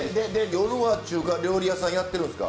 夜は中華料理屋さんやってるんすか？